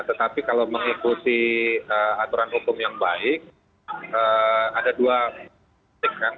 tetapi kalau mengikuti aturan hukum yang baik ada dua titik kan